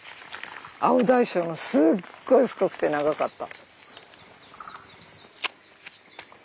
青大将もすっごい太くて長かった。